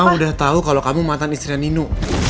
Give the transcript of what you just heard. dia udah tau kalo kamu matan istrinya nino